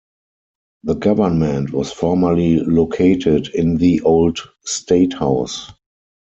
The government was formerly located in the Old State House.